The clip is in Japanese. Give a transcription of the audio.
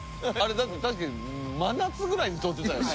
だって確か真夏くらいに撮ってたよな。